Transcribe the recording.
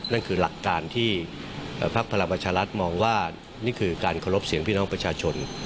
นั่นคือหลักการที่พักพลังประชารัฐมองว่านี่คือการเคารพเสียงพี่น้องประชาชน